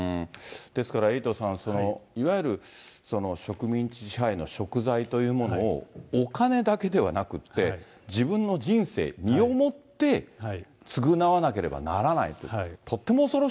ですから、エイトさん、いわゆる植民地支配のしょく罪というものをお金だけではなくって、自分の人生、身をもって償わなければならないと、そうですね。